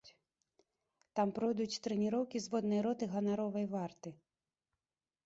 Там пройдуць трэніроўкі зводнай роты ганаровай варты.